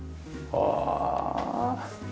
ああ。